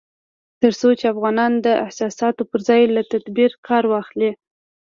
تر څو چې افغانان د احساساتو پر ځای له تدبير کار وانخلي